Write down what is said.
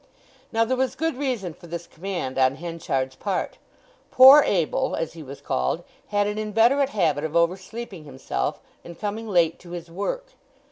Now there was good reason for this command on Henchard's part. Poor Abel, as he was called, had an inveterate habit of over sleeping himself and coming late to his work.